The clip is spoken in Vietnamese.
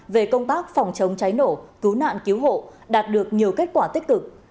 về công tác phòng chống cháy nổ cứu nạn cứu hộ đạt được nhiều kết quả tích cực